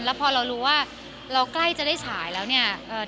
แล้วพอเรารู้ว่าเราใกล้จะได้ฉายแล้วเนี่ย